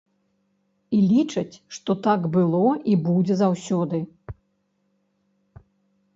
І лічаць, што так было і будзе заўсёды.